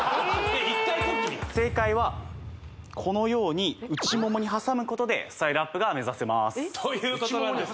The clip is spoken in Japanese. ・１回こっきり正解はこのように内ももに挟むことでスタイルアップが目指せますということなんです